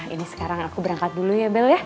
ini sekarang aku berangkat dulu ya bel ya